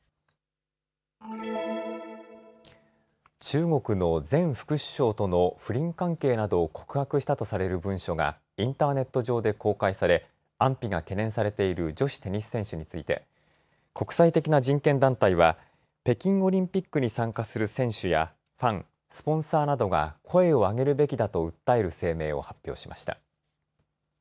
中国の前副首相との不倫関係などを告白したとされる文書がインターネット上で公開され安否が懸念されている女子テニス選手について国際的な人権団体は北京オリンピックに参加する選手やファン、スポンサーなどが声を上げるべきだと訴える声明を発表しました。